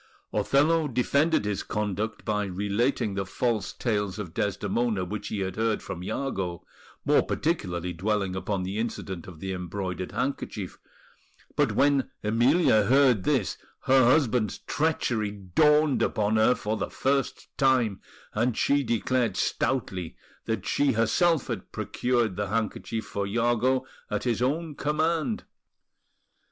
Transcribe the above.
Othello defended his conduct by relating the false tales of Desdemona which he had heard from Iago, more particularly dwelling upon the incident of the embroidered handkerchief; but when Emilia heard this, her husband's treachery dawned upon her for the first time, and she declared stoutly that she herself had procured the handkerchief for Iago at his own command.